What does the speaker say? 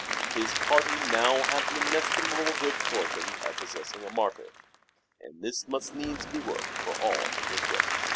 His party now had the inestim able good fortune of possessing a martyr, and this must needs be worked for all it was worth.